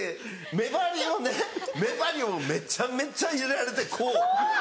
目張りをめちゃめちゃ入れられてこう。